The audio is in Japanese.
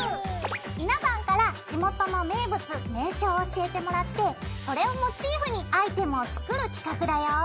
皆さんから地元の名物名所を教えてもらってそれをモチーフにアイテムを作る企画だよ！